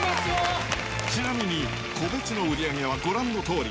ちなみに、個別の売り上げはご覧のとおり。